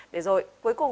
để rồi cuối cùng